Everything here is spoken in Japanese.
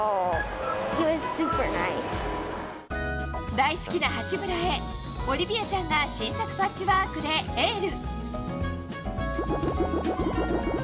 大好きな八村へオリビアちゃんが新作パッチワークでエール。